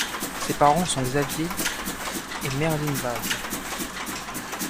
Ses parents sont Xavier et Merlyn Vaz.